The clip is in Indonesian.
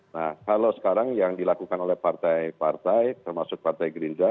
nah kalau sekarang yang dilakukan oleh partai partai termasuk partai gerindra